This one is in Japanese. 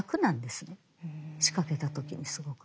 仕掛けた時にすごく。